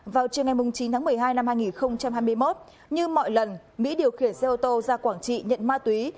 vào chiều ngày chín tháng một mươi hai năm hai nghìn hai mươi một như mọi lần mỹ điều khiển xe ô tô ra quảng trị nhận ma túy